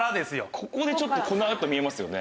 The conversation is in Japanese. ここでちょっとこのあと見えますよね？